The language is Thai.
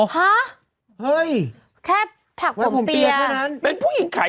เฮ้ยแค่เผ่ยผมเปีย